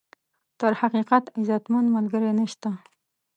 تر حقیقت، عزتمن ملګری نشته.